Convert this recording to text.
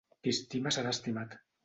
Qui estima serà estimat.